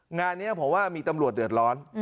งานนี้ผมว่ามีตำรวจเดือดร้อน